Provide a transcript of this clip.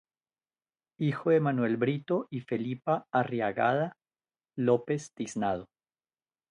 Hijo de Manuel Brito y Felipa Arriagada Lopez-Tiznado.